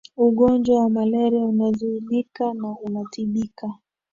ugonjwa wa malaria unazuilika na unatibika